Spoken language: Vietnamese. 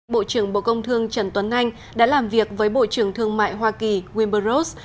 bộ trưởng bộ công thương trần tuấn anh đã làm việc với bộ trưởng thương mại hoa kỳ wimber ross